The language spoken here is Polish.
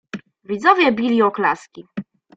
"Widzowie bili oklaski."